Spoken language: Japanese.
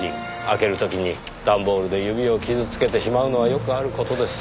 開ける時に段ボールで指を傷つけてしまうのはよくある事です。